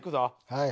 はい。